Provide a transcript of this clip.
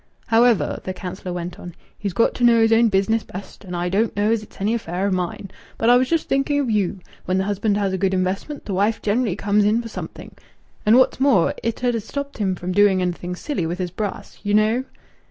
"However," the councillor went on, "he's got to know his own business best. And I don't know as it's any affair o' mine. But I was just thinking of you. When the husband has a good investment, th' wife generally comes in for something.... And what's more, it 'ud ha' stopped him from doing anything silly with his brass! You know."